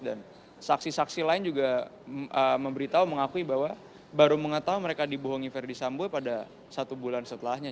dan saksi saksi lain juga memberitahu mengakui bahwa baru mengetahui mereka dibohongi verdi sambo pada satu bulan setelahnya